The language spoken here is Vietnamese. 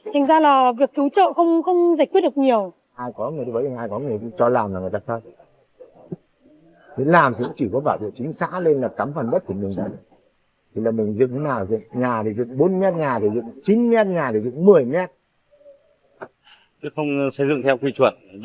thành ra là việc cứu trợ không giải quyết được nhiều